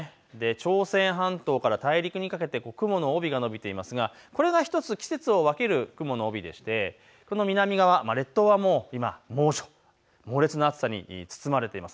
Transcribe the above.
朝鮮半島から大陸にかけて雲の帯が延びていますがこれが１つ季節を分ける雲の帯でしてこの南側、列島は猛暑、猛烈な暑さに包まれています。